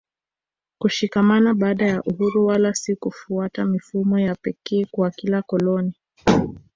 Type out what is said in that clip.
kushikamana baada ya uhuru wala si kufuata mifumo ya pekee kwa kila koloni